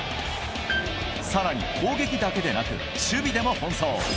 さらに攻撃だけでなく、守備でも奔走。